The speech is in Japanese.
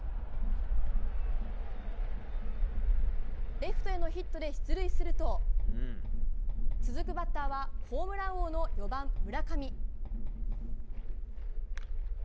レフトへのヒットで出塁すると続くバッターはホームラン王の４番、村上。